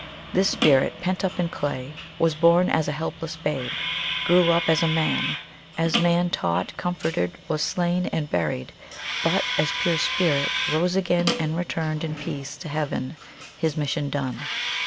This Spirit, pent up in clay, was born as a helpless babe, grew up as man as man taught, comforted, was slain and buried; but as pure Spirit rose again and returned in peace to Heaven, His mission done.